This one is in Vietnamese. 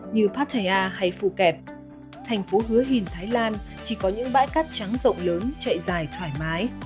new pattaya hay phuket thành phố hứa hìn thái lan chỉ có những bãi cát trắng rộng lớn chạy dài thoải mái